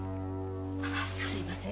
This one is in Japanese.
すいません頭。